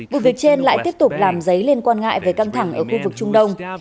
vụ việc trên lại tiếp tục làm dấy lên quan ngại về căng thẳng ở khu vực trung đông